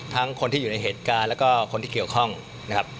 คนที่อยู่ในเหตุการณ์แล้วก็คนที่เกี่ยวข้องนะครับ